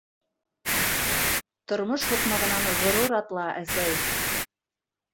Тормош һуҡмағынан ғорур атла, Әсәй!